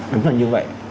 đúng là như vậy